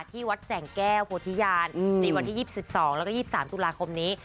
ที่วัดแสงแก้วโพธิญาณในวันที่๒๒แล้วก็๒๓ตุลาคมนี้